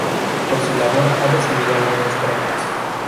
Por su labor ha recibido algunos premios.